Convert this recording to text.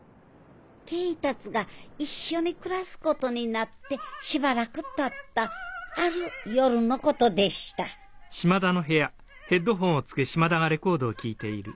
恵達が一緒に暮らすことになってしばらくたったある夜のことでした何だ？